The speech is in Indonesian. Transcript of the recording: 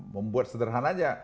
membuat sederhan saja